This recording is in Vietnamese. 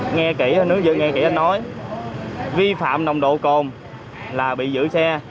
nghe kỹ anh nói vi phạm nồng độ côn là bị giữ xe